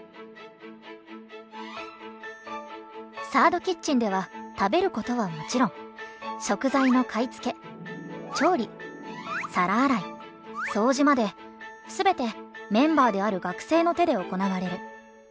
「サード・キッチンでは食べることはもちろん食材の買い付け調理皿洗い掃除まで全てメンバーである学生の手で行われる」。